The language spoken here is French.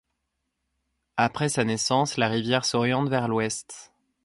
Après sa naissance, la rivière s'oriente vers l'ouest.